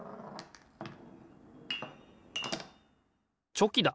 チョキだ！